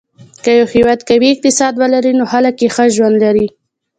که یو هېواد قوي اقتصاد ولري، نو خلک یې ښه ژوند لري.